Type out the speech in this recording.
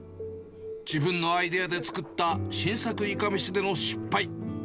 自分のアイデアで作った新作いかめしでの失敗。